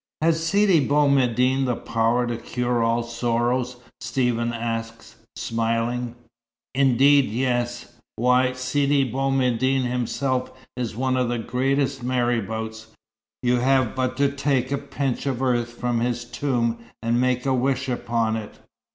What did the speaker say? "Has Sidi Bou Medine the power to cure all sorrows?" Stephen asked, smiling. "Indeed, yes. Why, Sidi Bou Medine himself is one of the greatest marabouts. You have but to take a pinch of earth from his tomb, and make a wish upon it.